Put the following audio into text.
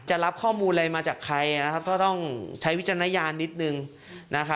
จะรับข้อมูลอะไรมาจากใครก็ต้องใช้วิจารณญาณนิดหนึ่ง